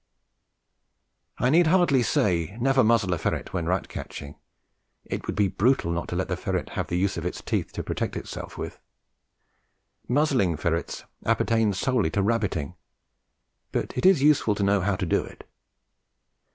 I need hardly say, never muzzle a ferret when rat catching. It would be brutal not to let the ferret have the use of its teeth to protect itself with. Muzzling ferrets appertains solely to rabbiting, but it is useful to know how to do it.